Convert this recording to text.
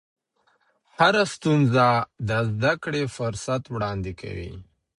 هره ستونزه د زده کړې فرصت وړاندې کوي.